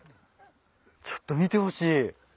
ちょっと見てほしい。